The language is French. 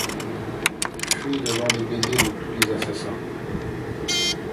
Fuir devant les baisers de tous ces assassins ;